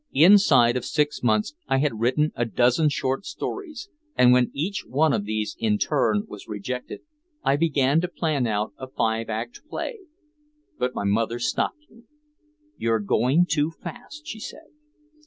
Inside of six months I had written a dozen short stories, and when each of these in turn was rejected I began to plan out a five act play. But here my mother stopped me. "You're trying to go too fast," she said.